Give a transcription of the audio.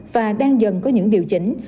và đang dần có những điều chỉnh